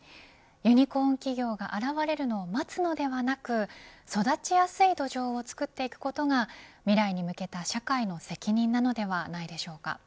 ユニコーン企業が現れるのを待つのではなく育ちやすい土壌をつくっていくことが未来に向けた社会の責任なのではないでしょうか。